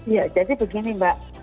ya jadi begini mbak